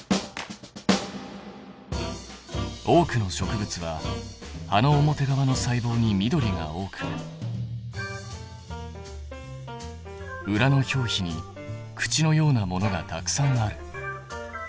多くの植物は葉の表側の細胞に緑が多く裏の表皮に口のようなものがたくさんある。